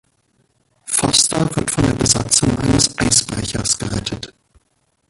Foster wird von der Besatzung eines Eisbrechers gerettet.